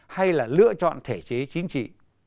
hay là lựa chọn thể chế chính trị